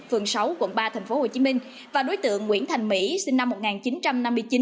phường sáu quận ba tp hcm và đối tượng nguyễn thành mỹ sinh năm một nghìn chín trăm năm mươi chín